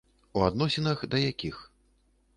У адносінах да якіх.